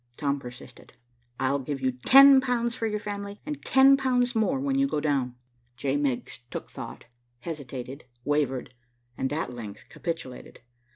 Tom persisted. "I'll give you ten pounds for your family, and ten pounds more when you go down." J. Miggs took thought, hesitated, wavered, and at length capitulated.